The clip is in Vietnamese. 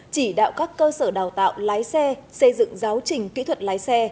chỉ đạo các cơ sở đào tạo lái xe xây dựng giáo trình kỹ thuật lái xe